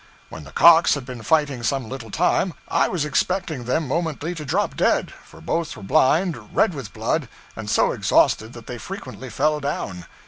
When the cocks had been fighting some little time, I was expecting them momently to drop dead, for both were blind, red with blood, and so exhausted that they frequently fell down.